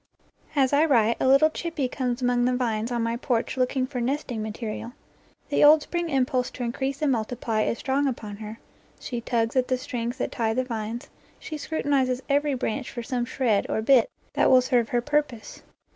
As I write, a little chippie comes among the vines on my porch looking for nesting material. The old spring impulse to increase and multiply is strong upon her; she tugs at the strings that tie the vines, she scrutinizes every branch for some shred or bit that will serve her purpose.